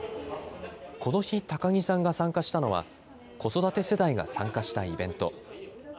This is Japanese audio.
この日、高木さんが参加したのは、子育て世代が参加したイベント。